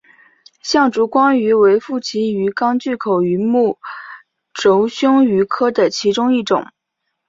象烛光鱼为辐鳍鱼纲巨口鱼目褶胸鱼科的其中一种。